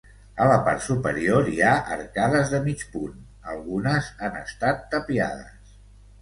A la part superior hi ha arcades de mig punt, algunes han estat tapiades.